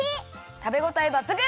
たべごたえばつぐん！